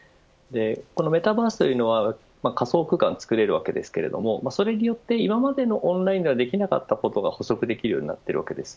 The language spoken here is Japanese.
このメタバースというのは仮想空間を作れるわけですけれどもそれによって今までのオンラインではできなかったことが補足できるようになっているわけです。